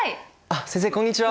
先生こんにちは！